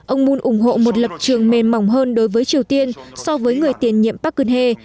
ông moon ủng hộ một lập trường mềm mỏng hơn đối với triều tiên so với người tiền nhiệm park kyung hee